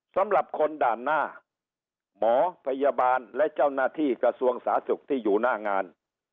สำหรับคนด่านหน้าหมอพยาบาลและเจ้าหน้าที่กระทรวงสาธารณสุขที่อยู่หน้างาน